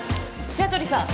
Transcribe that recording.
白鳥さん